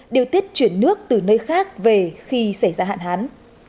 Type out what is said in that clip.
điều tiết chuyển nước từ nơi khác về khi xảy ra hạn hán